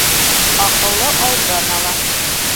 Аҡыллы алдан ала